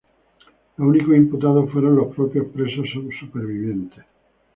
Los únicos imputados fueron los propios presos sobrevivientes.